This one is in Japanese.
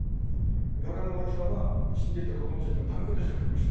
画家の丸木さんは死んでいった子どもたちの手向けとして描きました。